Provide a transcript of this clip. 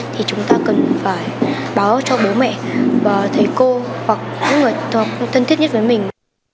thì chúng ta cần phải báo cho bố mẹ và thầy cô hoặc những người thân thiết nhất với mình